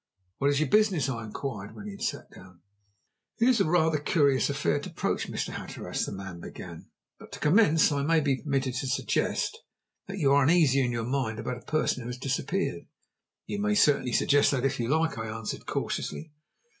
"What is your business?" I inquired, when he had sat down. "It is rather a curious affair to approach, Mr. Hatteras," the man began. "But to commence, may I be permitted to suggest that you are uneasy in your mind about a person who has disappeared?" "You may certainly suggest that, if you like," I answered cautiously.